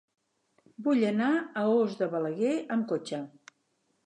Vull anar a Os de Balaguer amb cotxe.